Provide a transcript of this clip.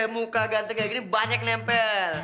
muka ganteng kaya gini banyak nempel